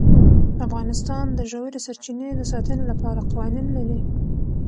افغانستان د ژورې سرچینې د ساتنې لپاره قوانین لري.